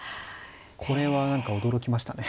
これは何か驚きましたね。